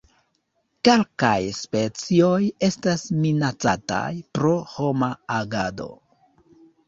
Kelkaj specioj estas minacataj pro homa agado.